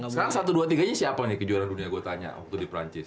sekarang satu dua tiga nya siapa nih kejuaraan dunia gue tanya waktu di perancis